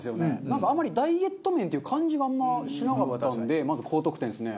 なんかあんまりダイエット麺っていう感じがあんましなかったんでまず高得点ですね。